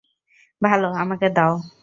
ভালো, আমাকে দাও।